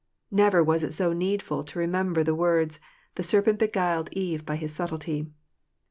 Never was it so needful to remember the words, "The serpent beguiled Eve by his subtilty."